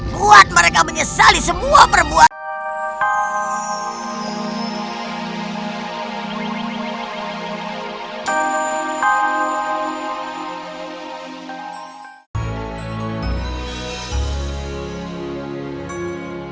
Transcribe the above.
buat mereka menyesali semua perbuatan